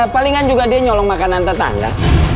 palingan juga dia nyolong makanan tetangga